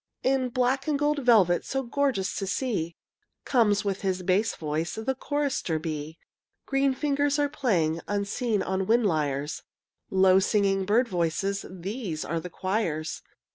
In black and gold velvet, So gorgeous to see, Comes with his bass voice The chorister bee. Green fingers playing Unseen on wind lyres, Low singing bird voices, These are his choirs.